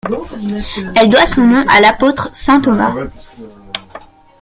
Elle doit son nom à l'apôtre saint Thomas.